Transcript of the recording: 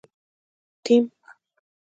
ټیم